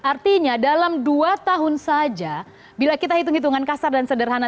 artinya dalam dua tahun saja bila kita hitung hitungan kasar dan sederhana